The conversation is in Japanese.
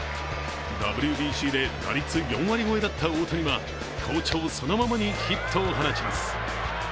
ＷＢＣで打率４割超えだった大谷は好調そのままにヒットを放ちます。